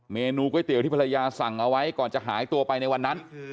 เมนูก๋วยเตี๋ยวที่ภรรยาสั่งเอาไว้ก่อนจะหายตัวไปในวันนั้น